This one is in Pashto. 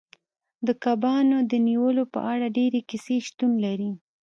د کبانو د نیولو په اړه ډیرې کیسې شتون لري